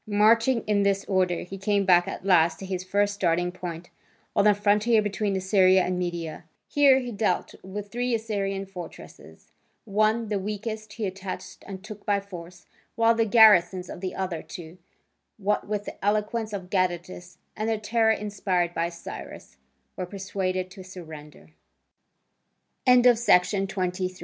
Marching in this order, he came back at last to his first starting point, on the frontier between Assyria and Media. Here he dealt with three Assyrian fortresses: one, the weakest, he attacked and took by force, while the garrisons of the other two, what with the eloquence of Gadatas and the terror inspired by Cy